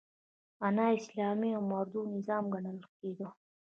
نا اسلامي او مردود نظام ګڼل کېده.